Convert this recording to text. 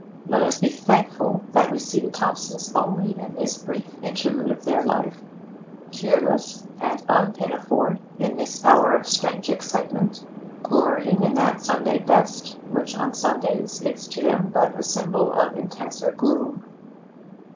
Let us be thankful that we see the Thompsons only in this brief interlude of their life, tearless and unpinafored, in this hour of strange excitement, glorying in that Sunday best which on Sundays is to them but a symbol of intenser gloom.